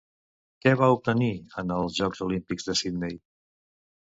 Què va obtenir en els Jocs Olímpics de Sydney?